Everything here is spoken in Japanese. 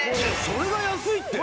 それが安いって！